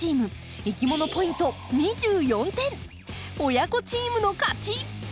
親子チームの勝ち！